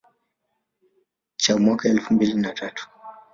cha mwaka elfu mbili na tatu